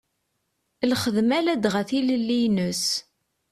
Lxedma ladɣa tilelli-ines.